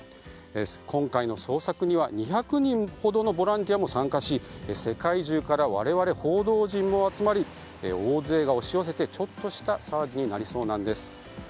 今回の捜索には、２００人ほどのボランティアも参加し世界中から、我々報道陣も集まり大勢が押し寄せてちょっとした騒ぎになりそうなんです。